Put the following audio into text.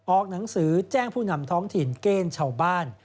หนังสือแจ้งผู้นำท้องถิ่นเกณฑ์ชาวบ้าน